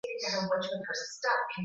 Wameimba nyimbo nyingi sana